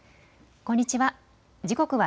こんにちは。